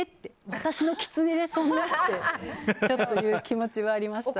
私のキツネで？ってそんな気持ちはありました。